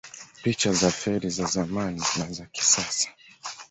Picha za feri za zamani na za kisasa